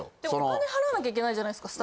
お金払わないといけないじゃないですか。